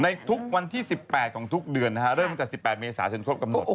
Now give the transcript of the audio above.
ในทุกวันที่๑๘ของทุกเดือนนะฮะเริ่มจาก๑๘เมษาเช่นครบกำหนดนะครับ